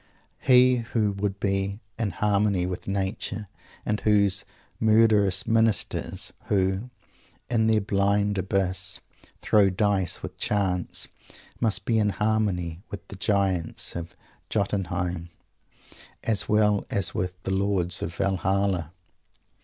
He who would be "in harmony with Nature." with those "murderous ministers" who, in their blind abyss, throw dice with Chance, must be in harmony with the giants of Jotunheim, as well as with the lords of Valhalla.